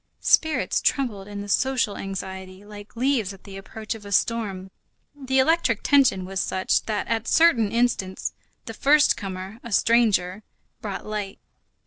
Spirits trembled in the social anxiety like leaves at the approach of a storm. The electric tension was such that at certain instants, the first comer, a stranger, brought light.